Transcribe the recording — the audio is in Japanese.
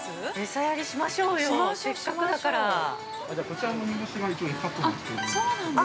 ◆餌やりしましょうよ、せっかくだから。